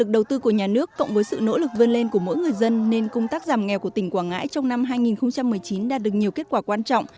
đầu tư của nhà nước cộng với sự nỗ lực vươn lên của mỗi người dân nên công tác giảm nghèo của tỉnh quảng ngãi trong năm hai nghìn một mươi chín đã được nhiều kết quả quan trọng